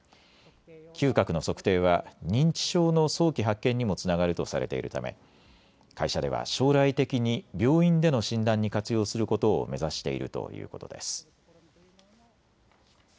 嗅覚の測定は認知症の早期発見にもつながるとされているため会社では将来的に病院での診断に活用することを目指しているということです。